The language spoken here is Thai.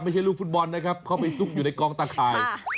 ลูกฟุตบอลนะครับเข้าไปซุกอยู่ในกองตะข่าย